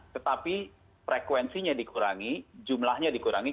tetapi frekuensinya dikurangi jumlahnya dikurangi